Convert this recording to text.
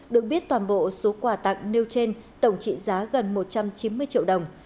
được biết toàn bộ số quà tặng nêu trên tổng trị giá gần một trăm chín mươi triệu đồng